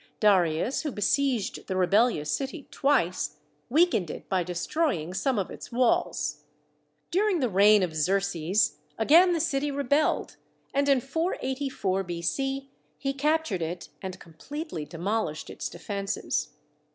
Darius, who besieged the rebellious city twice, weakened it by destroying some of its walls. During the reign of Xerxes again the city rebelled, and in 484 B.C. he captured it, and completely demolished its defences.